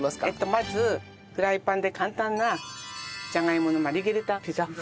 まずフライパンで簡単なじゃがいものマルゲリータピザ風です。